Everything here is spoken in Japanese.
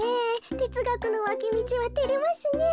てつがくのわきみちはてれますねえ。